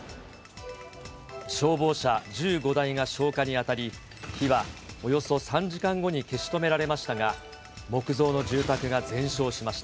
消防車１５台が消火に当たり、火はおよそ３時間後に消し止められましたが、木造の住宅が全焼しました。